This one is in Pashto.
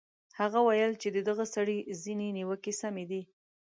هغه ویل چې د دغه سړي ځینې نیوکې سمې دي.